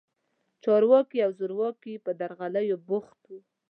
چارواکي او زورواکي په درغلیو بوخت وو.